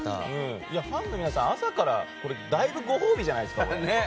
ファンの皆さん、朝からだいぶご褒美じゃないですか。